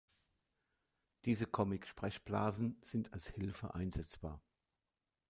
Diese Comic-Sprechblasen sind als Hilfe einsetzbar.